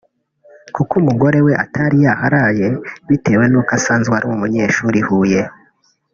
kuko umugore we atari yaharaye bitewe n’uko asanzwe ari umunyeshuri i Huye